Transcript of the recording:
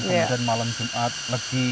kemudian malam jumat legi